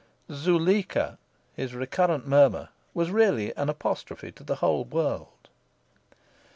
"Zuleika!" his recurrent murmur, was really an apostrophe to the whole world.